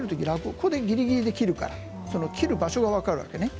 ここで、ぎりぎりで切るから切る場所が分かるわけね。